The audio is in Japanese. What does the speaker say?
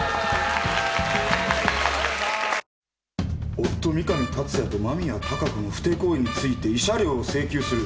「夫三神達也と間宮貴子の不貞行為について慰謝料を請求する。